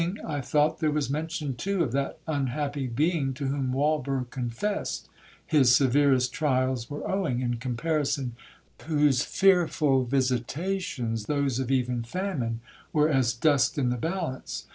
—I thought there was mention too of that unhappy being to whom Walberg confessed his severest trials were owing,—in comparison with whose fearful visitations those of even famine were as dust in the balance.'